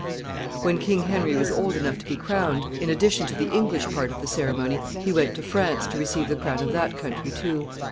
] When King Henry was old enough to be crowned, in addition to the English part of the ceremony, he went to France to receive the crown of that country too.